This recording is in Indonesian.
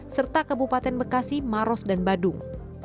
serta kabupaten bekasi maros dan badung